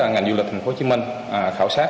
ngành du lịch tp hcm khảo sát